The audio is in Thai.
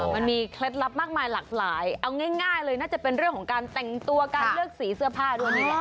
เคล็ดลับมากมายหลากหลายเอาง่ายเลยน่าจะเป็นเรื่องของการแต่งตัวการเลือกสีเสื้อผ้าด้วยนี่แหละ